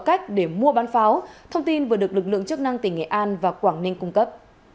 cách để mua bán pháo thông tin vừa được lực lượng chức năng tỉnh nghệ an và quảng ninh cung cấp